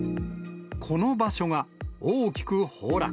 この場所が大きく崩落。